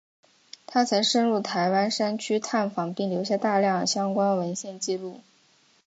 他曾深入台湾山区探访并留下大量相关文献纪录。